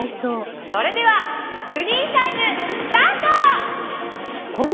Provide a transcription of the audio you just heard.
それではフリータイムスタート！